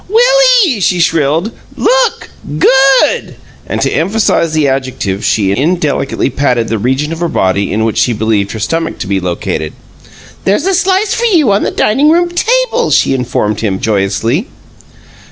"Will ee!" she shrilled. "Look! GOOD!" And to emphasize the adjective she indelicately patted the region of her body in which she believed her stomach to be located. "There's a slice for you on the dining room table," she informed him, joyously.